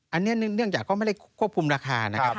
อันนี้เนื่องจากก็ไม่ได้ควบคุมราคานะครับ